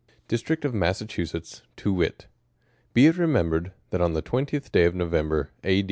DISTRICT OP MASSACHUSETTS, TO WIT : BE IT REMEMBERED, that on the twentieth day of November, A.